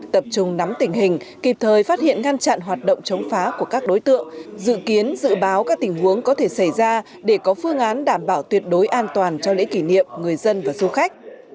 tập trung nắm tình hình kịp thời phát hiện ngăn chặn hoạt động chống phá của các đối tượng dự kiến dự báo các tình huống có thể xảy ra để có phương án đảm bảo tuyệt đối an toàn cho lễ kỷ niệm người dân và du khách